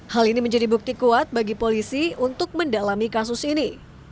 hal ini menjadi bukti kuat bagi polisi untuk mendalami kasus ini